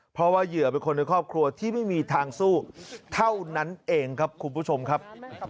เพราะว่าเหยื่อเป็นคนในครอบครัวที่ไม่มีทางสู้เท่านั้นเองครับคุณผู้ชมครับ